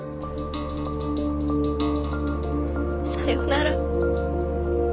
さようなら。